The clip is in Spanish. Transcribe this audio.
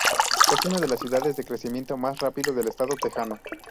Es una de las ciudades de crecimiento más rápido del estado tejano.